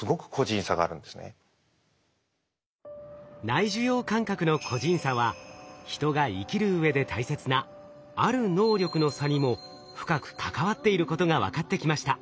内受容感覚の個人差は人が生きるうえで大切なある能力の差にも深く関わっていることが分かってきました。